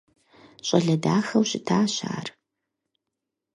ЩӀалэ дахэу щытащ ар.